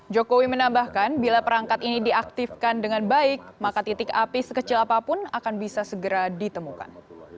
jokowi menambahkan bila perangkat ini diaktifkan dengan baik maka titik api sekecil apapun akan bisa segera ditemukan